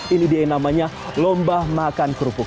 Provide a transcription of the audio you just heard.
ini dia yang namanya lomba makan kerupuk